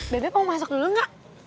bebek mau masuk dulu nggak